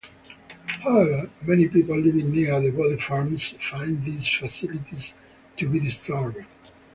However, many people living near the body farms find these facilities to be disturbing.